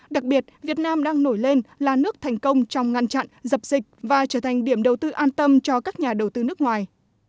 đặc biệt việt nam đang nổi lên là nước thành công trong ngăn chặn dập dịch và trở thành điểm đầu tư an tâm cho các nhà đầu tư nước ngoài